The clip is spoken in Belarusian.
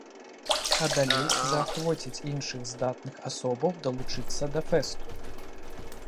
А далей заахвоціць іншых здатных асобаў далучыцца да фэсту.